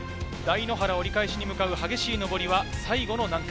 台原折り返しに向かう激しい上りは最後の難関。